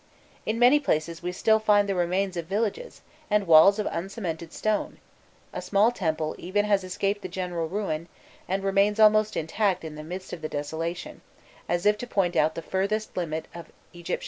In many places we still find the remains of villages, and walls of uncemented stone; a small temple even has escaped the general ruin, and remains almost intact in the midst of the desolation, as if to point out the furthest limit of Egyptian territory.